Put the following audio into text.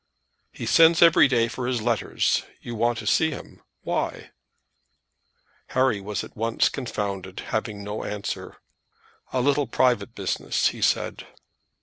"He sends every day for his letters. You want to see him. Why?" Harry was at once confounded, having no answer. "A little private business," he said.